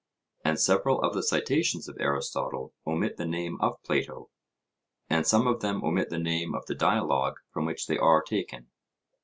And several of the citations of Aristotle omit the name of Plato, and some of them omit the name of the dialogue from which they are taken.